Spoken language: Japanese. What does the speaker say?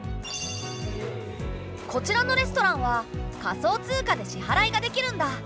こちらのレストランは仮想通貨で支払いができるんだ。